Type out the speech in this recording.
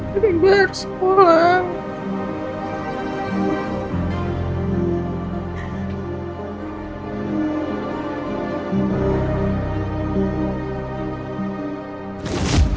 gue harus pulang